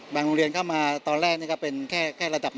โรงเรียนเข้ามาตอนแรกนี่ก็เป็นแค่ระดับ๑